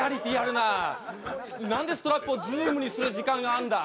なんでストラップをズームにする時間があるんだ？